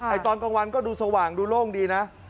ตอนกลางวันก็ดูสว่างดูโล่งดีนะ